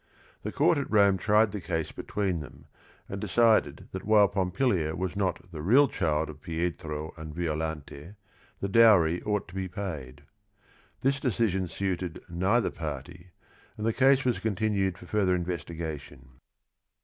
The court at Rome tried the case between them and decided that while Pompilia was not the real child of Pietro and Violante, the dowry ought to be paid. This decision suited neither party, and the case was continued for further investigation.